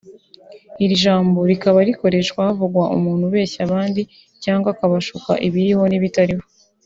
Iri jambo rikaba rikoreshwa havugwa umuntu ubeshya abandi cyangwa akabashuka ibiriho n’ibitariho